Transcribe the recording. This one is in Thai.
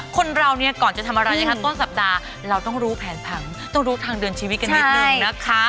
คนเราเนี่ยก่อนจะทำอะไรนะคะต้นสัปดาห์เราต้องรู้แผนผังต้องรู้ทางเดือนชีวิตกันนิดนึงนะคะ